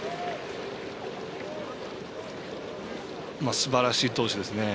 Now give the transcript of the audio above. すばらしい投手ですね。